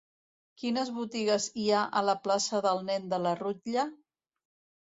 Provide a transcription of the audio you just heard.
Quines botigues hi ha a la plaça del Nen de la Rutlla?